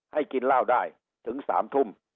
ให้กินล่าวได้ถึง๓ทุ่ม